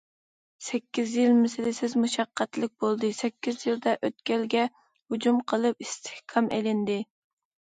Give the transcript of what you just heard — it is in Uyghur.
سەككىز يىل مىسلىسىز مۇشەققەتلىك بولدى، سەككىز يىلدا ئۆتكەلگە ھۇجۇم قىلىپ ئىستىھكام ئېلىندى.